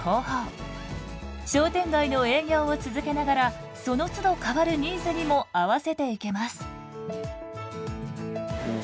商店街の営業を続けながらその都度変わるニーズにも合わせていけます。